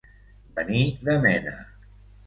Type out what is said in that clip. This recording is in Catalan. Venir de mena.